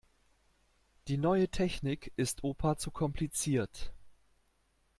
Die neue Technik ist Opa zu kompliziert.